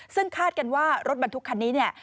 ซึ่งคาดกันว่ารถบรรทุกคันนี้เนี่ย